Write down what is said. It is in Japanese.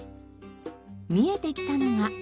見えてきたのが。